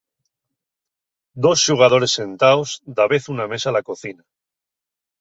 Dos xugadores sentaos, davezu na mesa la cocina.